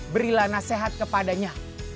berilah nasihat kepadanya